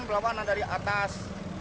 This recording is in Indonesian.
berlawanan dari atas